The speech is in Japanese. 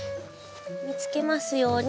見つけますように。